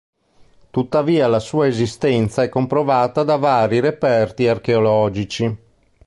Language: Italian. Tuttavia la sua esistenza è comprovata da vari reperti archeologici.